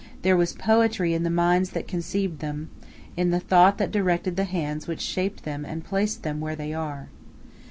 There was poetry in the minds that conceived them, in the thought that directed the hands which shaped them and placed them where they are.